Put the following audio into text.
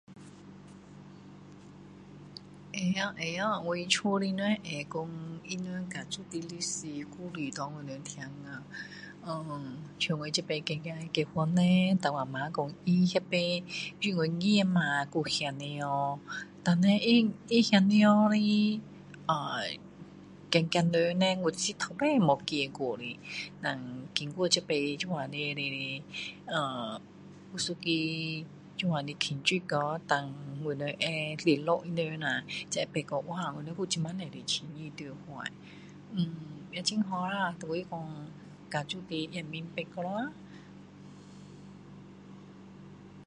会哦会哦我家的人会讲他们家族的历史故事给我们听啊像我这次孩子结婚叻dan我啊妈讲他那边因为外婆那边还有兄弟姐妹然后叻他兄弟姐妹的孩子们叻我是从来没有见过的我是经过这次这样的啊有一个这样的庆祝哦dan我们联络他们啊才知道说我们还有这么多的亲戚在那边呃也很好啦所以说家族的也明白咯